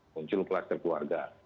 muncul klaster keluarga